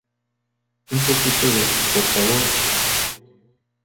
Un poquito de por favor